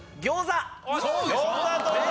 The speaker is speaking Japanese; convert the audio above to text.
餃子どうだ？